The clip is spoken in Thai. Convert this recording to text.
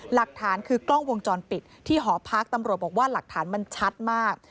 หลักฐานคือกล้องวงจรปิดที่หอพักตำรวจบอกว่าหลักฐานมันชัดมาก